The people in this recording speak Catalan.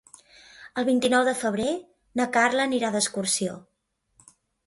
El vint-i-nou de febrer na Carla anirà d'excursió.